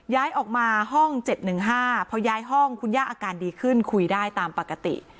ย้ายออกมาห้อง๗๑๕พอย้ายห้องคุณย่าอาการดีขึ้นคุยได้ตามปกติ